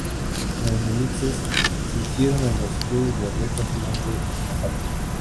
Los remixes se hicieron en los estudios de Record Plant de Manhattan.